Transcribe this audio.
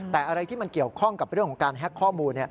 แต่อะไรที่มันเกี่ยวข้องกับเรื่องของการแฮ็กข้อมูล